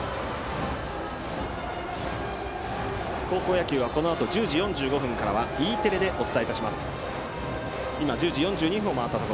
高校野球はこのあと１０時４５分からはＥテレでお伝えします。